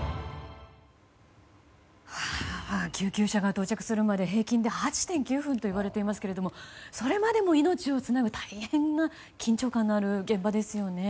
救急車が到着するまで平均で８．９分といわれていますがそれまでも命をつなぐ大変な緊張感のある現場ですね。